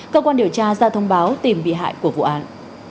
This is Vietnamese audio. cơ quan điều tra ra thông báo tìm bị hại của vụ án